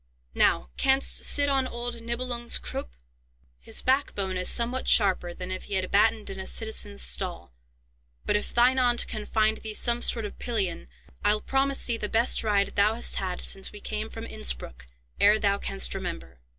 Now canst sit on old Nibelung's croup? His back bone is somewhat sharper than if he had battened in a citizen's stall; but, if thine aunt can find thee some sort of pillion, I'll promise thee the best ride thou hast had since we came from Innspruck, ere thou canst remember."